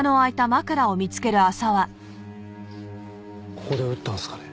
ここで撃ったんすかね？